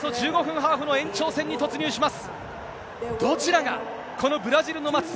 ハーフの延長戦に突入します。